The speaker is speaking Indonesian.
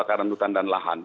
hutan dan lahan